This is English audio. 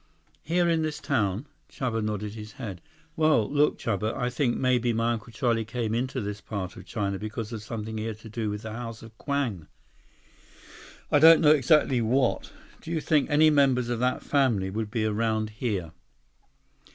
"Here in this town?" Chuba nodded his head. "Well, look, Chuba. I think maybe my Uncle Charlie came into this part of China because of something he had to do with the House of Kwang. I don't know exactly what. Do you think any members of that family would be around here?"